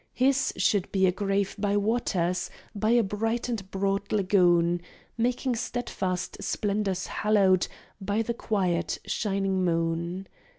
His should be a grave by waters, by a bright and broad lagoon, Making steadfast splendours hallowed of the quiet, shining moon.